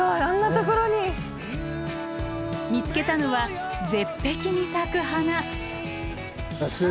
見つけたのは絶壁に咲く花。